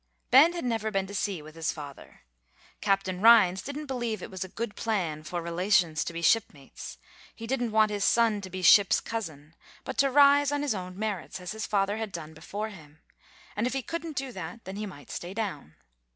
Ben had never been to sea with his father. Captain Rhines didn't believe it was a good plan for relations to be shipmates; he didn't want his son to be "ship's cousin," but to rise on his own merits, as his father had done before him; and if he couldn't do that, then he might stay down.